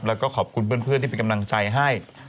แล้วก็ขอบคุณเพื่อนที่เป็นกำลังใจให้